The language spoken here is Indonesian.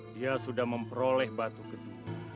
dia sudah memperoleh batu kedua